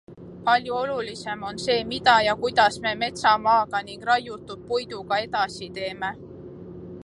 Palju olulisem on see, mida ja kuidas me metsamaaga ning raiutud puiduga edasi teeme.